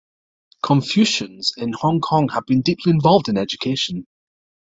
Confucians in Hong Kong have been deeply involved in education.